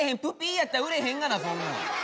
やったら売れへんがなそんなん。